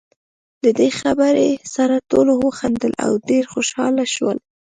له دې خبرې سره ټولو وخندل، او ډېر خوشاله شول.